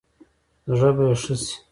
زړه به يې ښه شي.